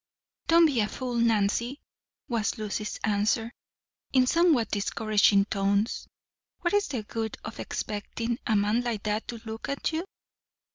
"Don't be a fool, Nancy," was Lucy's answer, in somewhat discouraging tones; "what's the good of expecting a man like that to look at you?